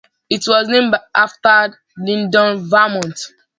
It was named after Lyndon, Vermont.